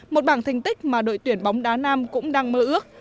một bảng thành tích mà đội tuyển bóng đá nam cũng đang mơ ước